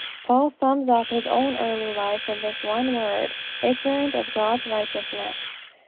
Paul sums up all his own early life in this one word, "ignorant of God's righteousness."